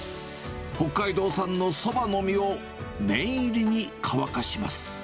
北海道産のそばの実を念入りに乾かします。